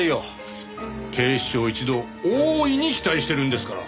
警視庁一同大いに期待してるんですから。